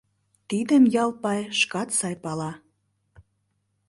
Тидым Ялпай шкат сай пала.